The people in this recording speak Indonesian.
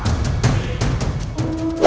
ketua ger prabu